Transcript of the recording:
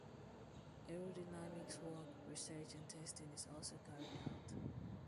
Aerodynamics work, research and testing is also carried out.